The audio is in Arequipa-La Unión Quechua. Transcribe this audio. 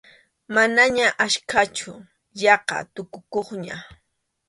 Manaña achkachu, yaqa tukukuqña.